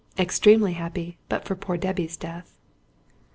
Extremely happy, but for poor Debby's death.